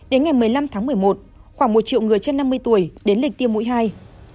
đến ngày một mươi năm tháng một mươi một khoảng một triệu người trên năm mươi tuổi đến lịch tiêm mũi hai